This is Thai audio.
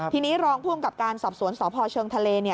ทีนี้รองพุ่งกับการซับซ้อนสพเชิงทะเล